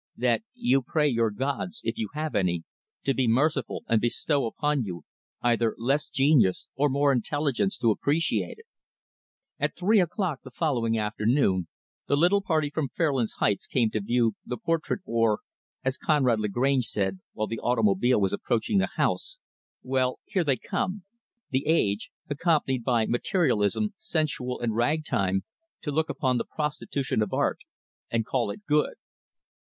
"That you pray your gods if you have any to be merciful, and bestow upon you either less genius or more intelligence to appreciate it." At three o'clock, the following afternoon, the little party from Fairlands Heights came to view, the portrait Or, as Conrad Lagrange said, while the automobile was approaching the house, "Well, here they come 'The Age', accompanied by 'Materialism', 'Sensual', and 'Ragtime' to look upon the prostitution of Art, and call it good."